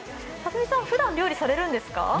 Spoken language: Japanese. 辰巳さん、ふだん料理されるんですか？